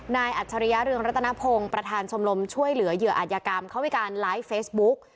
อัจฉริยะเรืองรัตนพงศ์ประธานชมรมช่วยเหลือเหยื่ออาจยากรรมเขามีการไลฟ์เฟซบุ๊ก